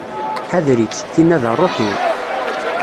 Ḥader-itt, tinna d rruḥ-iw.